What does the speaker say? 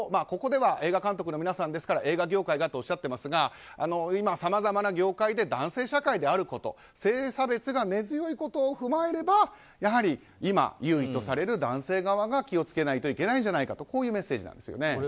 ここでは映画監督の皆さんですから映画業界がとおっしゃっていますが今さまざまな業界で男性社会であること性差別が根強いことを踏まえればやはり今、優位とされる男性側が気を付けないといけないんじゃないかというメッセージなんですね。